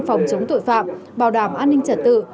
phòng chống tội phạm bảo đảm an ninh trật tự